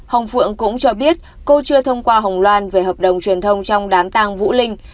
ông phượng cũng cho biết cô chưa thông qua hồng loan về hợp đồng truyền thông trong đám tàng vũ linh